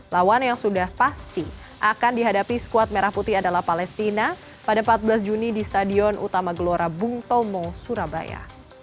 lawan yang sudah pasti akan dihadapi skuad merah putih adalah palestina pada empat belas juni di stadion utama gelora bung tomo surabaya